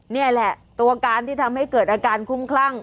นี่แหละตัวการที่ทำให้เกิดอาการคุ้มคลั่ง